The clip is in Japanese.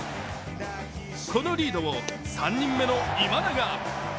このリードを３人目の今永。